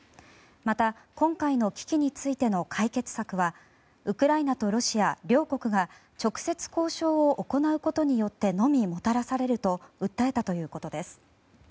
また、今回の危機についての解決策はウクライナとロシア両国が直接交渉を行うことによってのみもたらされると訴えたということです。